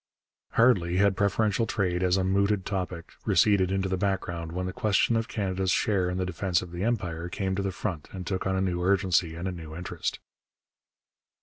Hardly had preferential trade as a mooted topic receded into the background when the question of Canada's share in the defence of the Empire came to the front and took on a new urgency and a new interest.